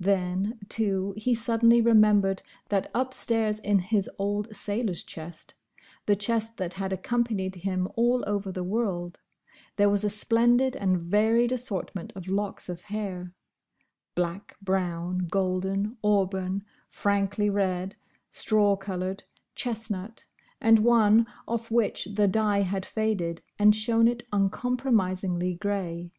Then, too, he suddenly remembered that upstairs in his old sailor's chest; the chest that had accompanied him all over the world, there was a splendid and varied assortment of locks of hair: black, brown, golden, auburn, frankly red, straw coloured, chestnut, and one off which the dye had faded and shown it uncompromisingly grey.